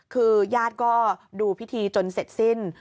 คือญาติก็ดูพิธีจนเสร็จสิ้น